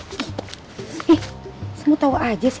ih semua tahu aja sih